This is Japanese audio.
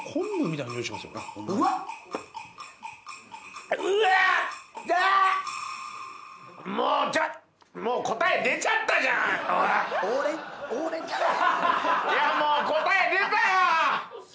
いやもう答え出たよ！